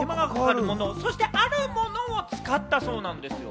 そして、あるものを使ったそうなんですよ。